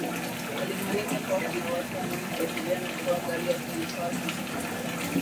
Alimueleza kuwa kuna watu wanamfuatilia na kuwa gari yake ilikuwa ikiisha Mafuta